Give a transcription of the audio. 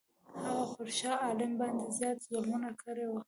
هغه پر شاه عالم باندي زیات ظلمونه کړي وه.